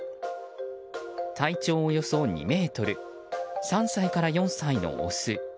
体長およそ２ｍ３歳から４歳のオス。